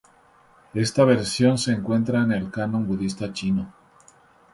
Esta versión se encuentra en el Canon budista chino.